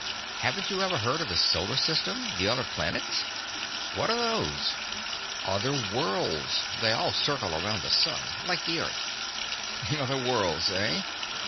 "Haven't you ever heard of the Solar System, the other planets?" "What are those?" "Other worlds. They all circle around the sun, like the Earth." "Other worlds, eh?